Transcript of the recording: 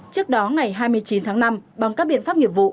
trước đó ngày hai mươi chín tháng năm bằng các biện pháp nghiệp vụ